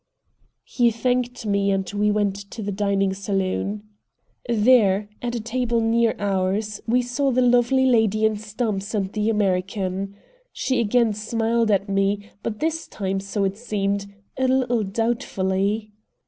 He thanked me and we went to the dining saloon. There, at a table near ours, we saw the lovely lady and Stumps and the American. She again smiled at me, but this time, so it seemed, a little doubtfully.